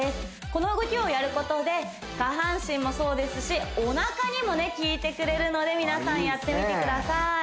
この動きをやることで下半身もそうですしおなかにもねきいてくれるので皆さんやってみてください